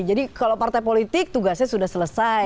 jadi kalau partai politik tugasnya sudah selesai